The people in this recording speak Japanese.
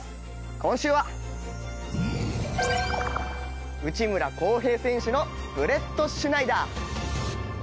今週は内村航平選手のブレットシュナイダー。